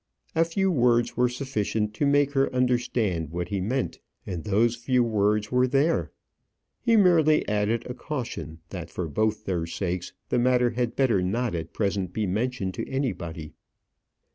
A few words were sufficient to make her understand what he meant, and those few words were there. He merely added a caution, that for both their sakes, the matter had better not at present be mentioned to anybody.